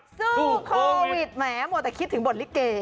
สู้โควิดแหมัวแต่คิดถึงบทลิเก